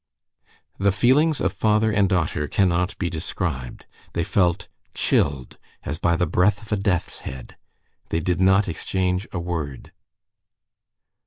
The feelings of father and daughter cannot be described. They felt chilled as by the breath of a death's head. They did not exchange a word.